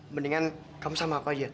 mendingan kamu sama aku aja